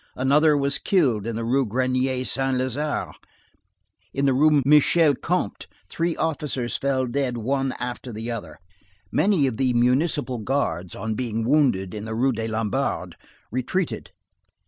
Another was killed in the Rue Grenier Saint Lazare. In the Rue Michel le Comte, three officers fell dead one after the other. Many of the Municipal Guards, on being wounded, in the Rue des Lombards, retreated.